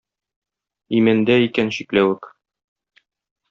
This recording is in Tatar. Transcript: Имәндә икән чикләвек!